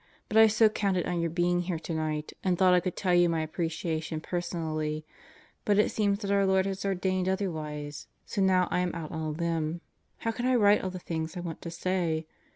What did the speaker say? but I so counted on your being here tonight and thought I could tell you my appreciation personally, but it seems that our Lord has ordained otherwise, so now I am out on a limb, how can I write all the things I want to say.